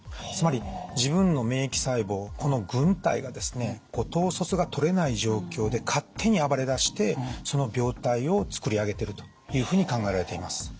つまり自分の免疫細胞をこの軍隊がですね統率がとれない状況で勝手に暴れだしてその病態をつくり上げてるというふうに考えられています。